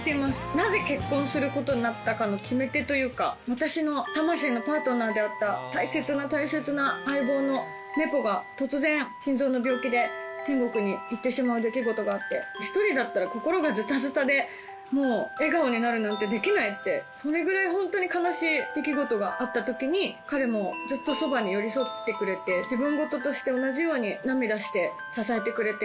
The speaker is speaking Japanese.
なぜ結婚することになったかの決め手というか、私の魂のパートナーであった大切な大切な相棒のメポが、突然、心臓の病気で天国に行ってしまう出来事があって、１人だったら心がずたずたで、もう、笑顔になるなんてできないって、それぐらい本当に悲しい出来事があったときに、彼もずっとそばに寄り添ってくれて、自分事として同じように涙して、支えてくれて。